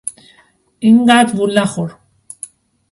اینقدر وول نخور!